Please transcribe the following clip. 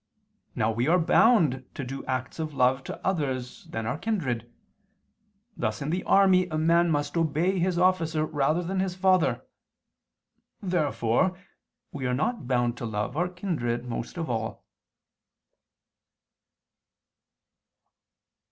Now we are bound to do acts of love to others than our kindred: thus in the army a man must obey his officer rather than his father. Therefore we are not bound to love our kindred most of all.